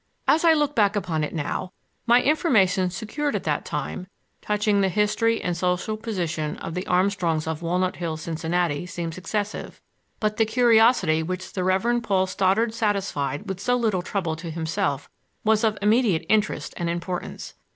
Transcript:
As I look back upon it now my information secured at that time, touching the history and social position of the Armstrongs of Walnut Hills, Cincinnati, seems excessive, but the curiosity which the Reverend Paul Stoddard satisfied with so little trouble to himself was of immediate interest and importance.